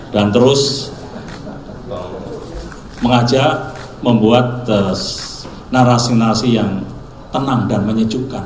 dan terus mengajak membuat narasi narasi yang tenang dan menyejukkan